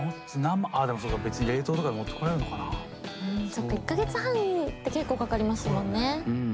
そっか１か月半って結構かかりますもんね。